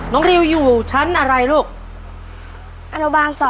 น้องริวอยู่ชั้นอะไรลูก